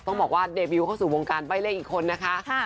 ต้องบอกว่าเดบิวเข้าสู่วงการใบ้เลขอีกคนนะคะ